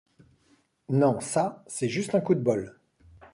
Nan, ça, c’est juste un coup de bol.